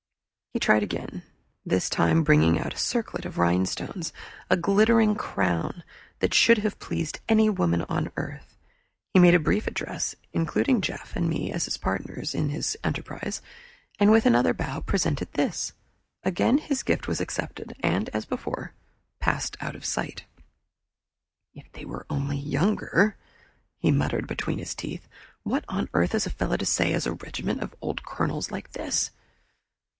He tried again, this time bringing out a circlet of rhinestones, a glittering crown that should have pleased any woman on earth. He made a brief address, including Jeff and me as partners in his enterprise, and with another bow presented this. Again his gift was accepted and, as before, passed out of sight. "If they were only younger," he muttered between his teeth. "What on earth is a fellow to say to a regiment of old Colonels like this?"